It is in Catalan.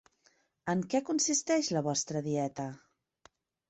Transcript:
En què consisteix la vostra dieta?